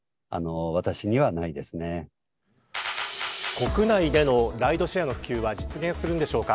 国内でのライドシェアの普及は実現するんでしょうか。